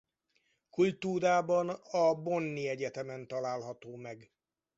Kultúrában a Bonni Egyetemen található meg.